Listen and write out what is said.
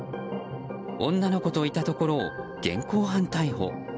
女の子といたところを現行犯逮捕。